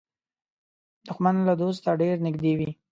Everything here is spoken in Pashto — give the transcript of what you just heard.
دښمن له دوسته ډېر نږدې وي